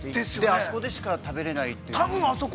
あそこで食べれないという。